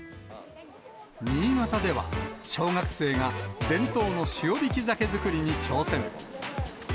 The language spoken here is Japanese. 新潟では、小学生が伝統の塩引き鮭作りに挑戦。